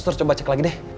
sister coba cek lagi deh